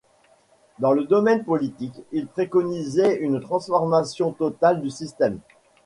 Dans le domaine politique, il préconisait une transformation totale du système.